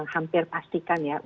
hampir pastikan ya